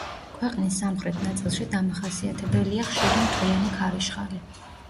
ქვეყნის სამხრეთ ნაწილში დამახასიათებელია ხშირი მტვრიანი ქარიშხალი.